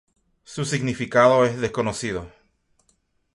Su significado es desconocido.